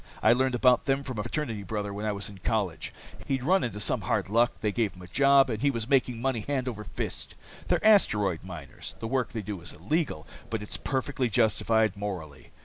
I learned about them from a fraternity brother while I was in college. He'd run into some hard luck, they gave him a job, and he was making money hand over fist. They're asteroid miners. The work they do is illegal, but it's perfectly justified morally.